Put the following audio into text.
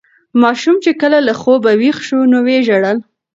ماشوم چې کله له خوبه ویښ شو نو ویې ژړل.